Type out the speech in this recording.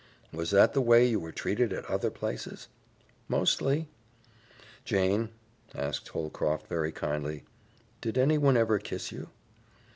"Was that the way you were treated at other places?" "Mostly." "Jane," asked Holcroft very kindly, "did anyone ever kiss you?"